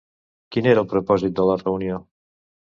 Quin era el propòsit de la reunió?